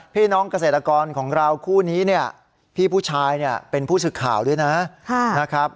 พี่น้องเกษตรกรของเราคู่นี้พี่ผู้ชายเป็นผู้ศึกข่าวด้วยนะ